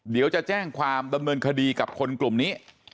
เดี๋ยวจะแจ้งความดำเนินคดีกับคนกลุ่มนี้